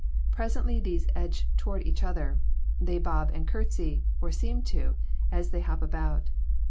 Presently these edge towards each other; they bob and curtsey, or seem to, as they hop about.